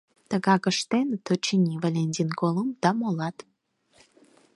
Тыгак ыштеныт, очыни, Валентин Колумб да молат.